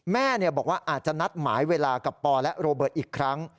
แม่บอกว่าอาจจะนัดหมายเวลากับปอและโรเบิร์ตอีกครั้ง